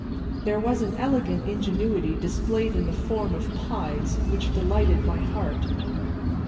There was an elegant ingenuity displayed in the form of pies which delighted my heart.